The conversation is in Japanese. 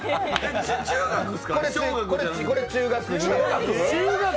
これ中学生。